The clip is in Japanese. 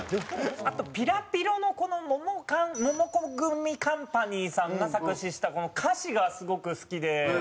あと『ぴらぴろ』のモモカンモモコグミカンパニーさんが作詞したこの歌詞がすごく好きで。